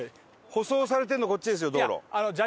舗装されてるのこっちですよ道路。